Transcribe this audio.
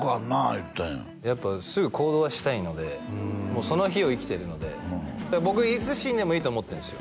言ったんよやっぱすぐ行動はしたいのでもうその日を生きてるので僕いつ死んでもいいと思ってるんです